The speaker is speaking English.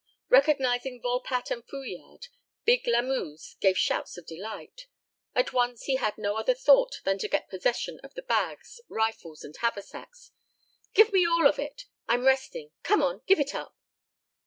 Recognizing Volpatte and Fouillade, big Lamuse gave shouts of delight. At once he had no other thought than to get possession of the bags, rifles, and haversacks "Give me all of it I'm resting come on, give it up."